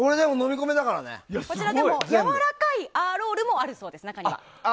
こちらはやわらかいアーロールもあるそうです。